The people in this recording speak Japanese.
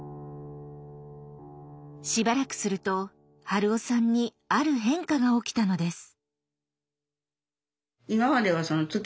しばらくすると春雄さんにある変化が起きたのです。